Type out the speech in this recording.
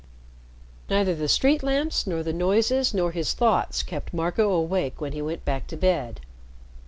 Neither the street lamps, nor the noises, nor his thoughts kept Marco awake when he went back to bed.